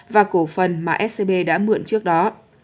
và cổ phần mà scb đã mượn trước đó